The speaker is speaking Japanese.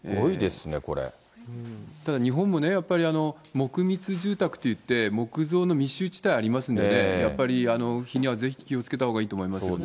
ただ日本もね、やっぱり、木密住宅といって、木造の密集地帯ありますので、やっぱり火にはぜひ気をつけたほうがいいと思いますけどね。